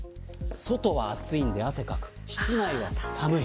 外は暑いので、汗をかく室内は寒い。